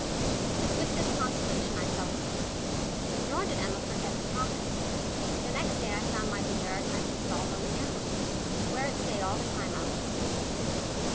And with this consolation I fell asleep. Nor did Emma forget her promise. The next day I found my daguerreotype installed on the mantelpiece, where it stayed all the time I was at school.